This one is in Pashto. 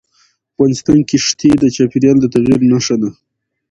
افغانستان کې ښتې د چاپېریال د تغیر نښه ده.